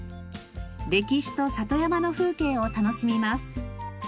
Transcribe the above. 歴史と里山の風景を楽しみます。